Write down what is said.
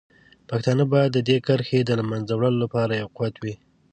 پښتانه باید د دې کرښې د له منځه وړلو لپاره یو قوت وي.